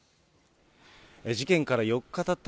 事件から４日たった